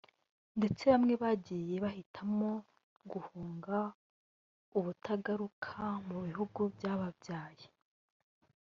ndetse bamwe bagiye bahitamo guhunga ubutazagaruka mu bihugu byababyaye